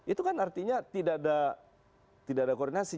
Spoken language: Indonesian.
itu kan artinya tidak ada koordinasi